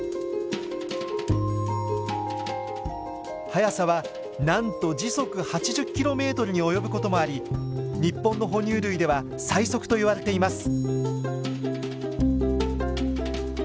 速さはなんと時速８０キロメートルに及ぶこともあり日本の哺乳類では最速といわれています。